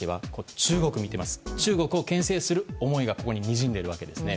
中国を牽制する思いがにじんでいるわけです。